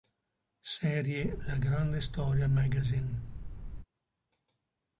Serie "La Grande Storia Magazine"